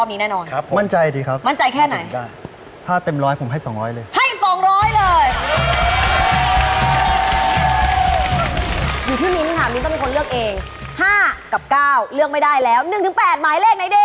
พอดีมือเลย